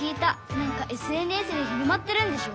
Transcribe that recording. なんかＳＮＳで広まってるんでしょ？